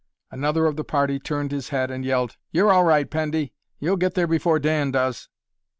Another of the party turned his head and yelled, "You're all right, Pendy! You'll get there before Dan does!"